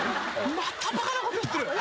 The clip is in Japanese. またバカなこと言ってる。